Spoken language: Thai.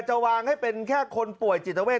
จะวางให้เป็นแค่คนป่วยจิตเวท